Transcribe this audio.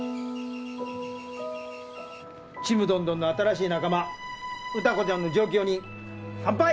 ちむどんどんの新しい仲間歌子ちゃんの上京に乾杯！